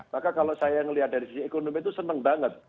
maka kalau saya melihat dari sisi ekonomi itu senang banget